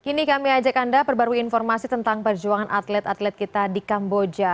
kini kami ajak anda perbarui informasi tentang perjuangan atlet atlet kita di kamboja